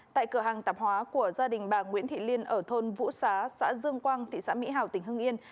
tại cửa hàng tạp hóa của gia đình bà nguyễn thị liên ở thôn vũ xá xã dương quang thị xã mỹ hào tỉnh hưng yên